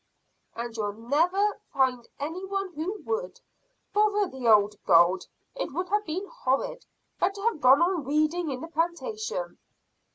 "And you'll never find any one who would. Bother the old gold! It would have been horrid. Better have gone on weeding in the plantation."